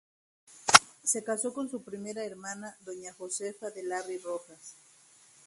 Se casó con su prima hermana doña Josefa de Larraín y Rojas.